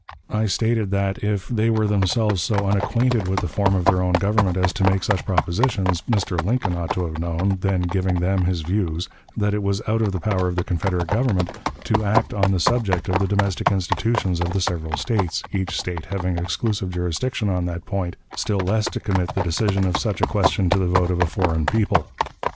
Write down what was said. I stated that, if they were themselves so unacquainted with the form of their own government as to make such propositions, Mr. Lincoln ought to have known, then giving them his views, that it was out of the power of the Confederate Government to act on the subject of the domestic institutions of the several States, each State having exclusive jurisdiction on that point, still less to commit the decision of such a question to the vote of a foreign people.